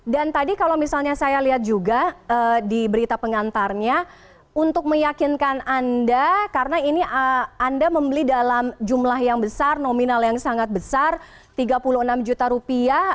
dan tadi kalau misalnya saya lihat juga di berita pengantarnya untuk meyakinkan anda karena ini anda membeli dalam jumlah yang besar nominal yang sangat besar rp tiga puluh enam